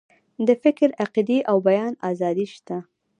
د فکر، عقیدې او بیان آزادي شته.